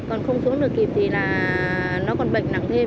còn không xuống được kịp thì là nó còn bệnh nặng thêm